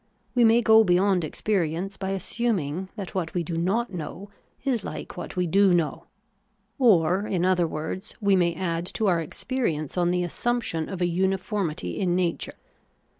We may go beyond experience by assuming that what we do not know is hke what we do know ; or, in other words, we may add to our experience on the assumption of a uniformity in nature.